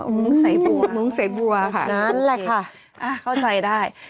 มุ้งใส่บัวมุ้งใส่บัวค่ะโอเคอ้าวเข้าใจได้